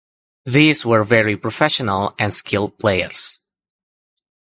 These were very professional and skilled players.